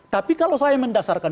tapi kalau saya mendasarkan